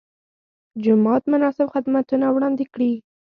جومات مناسب خدمتونه وړاندې کړي.